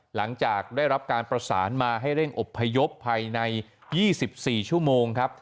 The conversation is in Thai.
หลังจากได้รับการประสานมาให้เร่งอบพยพภายใน๒๔ชั่วโมงครับ